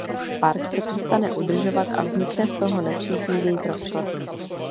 Park se přestane udržovat a vznikne z toho nepříznivý prostor.